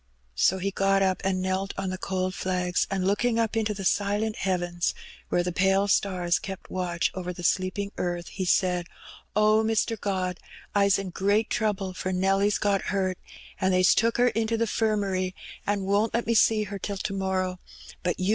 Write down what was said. So he got up and knelt on the cold A&gB, and looking up into tlie silent heavens, where the pale stars kept watch over the sleeping earth, he said, " Oh, Mr. God, I'a in great trouble, for Nelly's got hurt, and they'a took her into the 'firmary, an' won't let me see her till to morrer, but You Benny Prats.